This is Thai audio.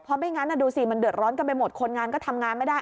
เพราะไม่งั้นดูสิมันเดือดร้อนกันไปหมดคนงานก็ทำงานไม่ได้